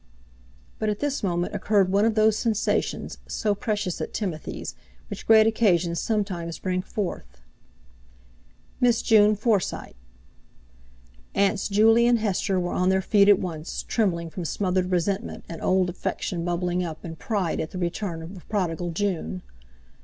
But at this moment occurred one of those sensations—so precious at Timothy's—which great occasions sometimes bring forth: "Miss June Forsyte." Aunts Juley and Hester were on their feet at once, trembling from smothered resentment, and old affection bubbling up, and pride at the return of a prodigal June!